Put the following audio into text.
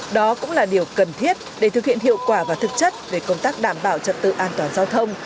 đó cũng là điều cần thiết để thực hiện hiệu quả và thực chất về công tác đảm bảo trật tự an toàn giao thông